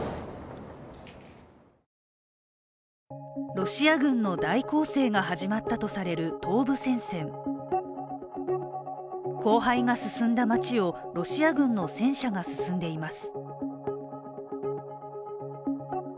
ロシア軍の大攻勢が始まったとされる東部戦線荒廃が進んだ街をロシア軍の戦車が進んでいます。